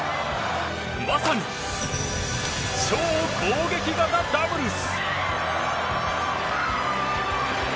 まさに超攻撃型ダブルス！